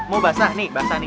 mau basah nih basah nih